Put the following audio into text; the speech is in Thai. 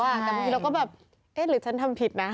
แต่บางทีเราก็แบบเอ๊ะหรือฉันทำผิดไหม